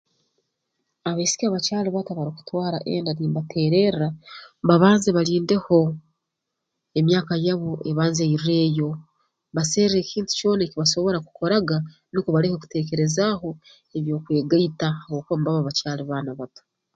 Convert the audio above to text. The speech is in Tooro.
Abaisiki abakyali bato abarukutwara enda nimbateererra babanze balindeho emyaka yabo ebanze irreeyo baserre ekintu kyona ekibasobora kukoraga nukwo baleke okuteekerezaaho eby'okwegaita habwokuba mbaba bakyali baana bato